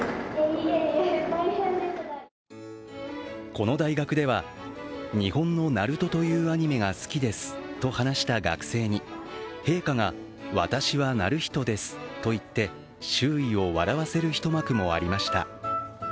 この大学では、日本の「ＮＡＲＵＴＯ」というアニメが好きですと話した学生に、陛下が私は徳仁ですと言って、周囲を笑わせる一幕もありました。